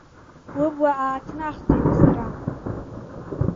Лыбла ааҭнахӡеит асра.